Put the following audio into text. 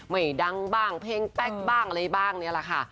ไม่ดังบ้างเพลงแป๊กบ้างอะไรบ้างนี่แหละค่ะ